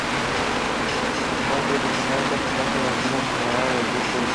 En cuartos de final de conferencia venció a Sionista en tres juegos.